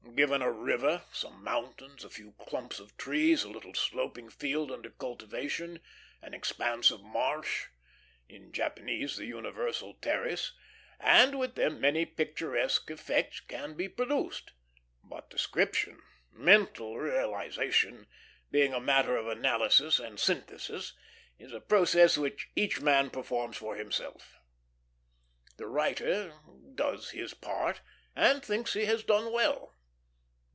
Given a river, some mountains, a few clumps of trees, a little sloping field under cultivation, an expanse of marsh in Japan the universal terrace and with them many picturesque effects can be produced; but description, mental realization, being a matter of analysis and synthesis, is a process which each man performs for himself. The writer does his part, and thinks he has done well.